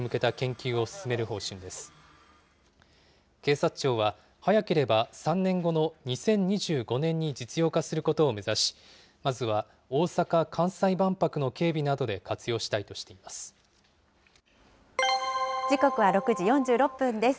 警察庁は早ければ３年後の２０２５年に実用化することを目指し、まずは大阪・関西万博の警備などで活用したいとしています。